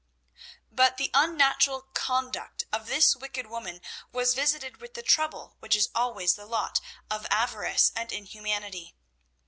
But the unnatural conduct of this wicked woman was visited with the trouble which is always the lot of avarice and inhumanity.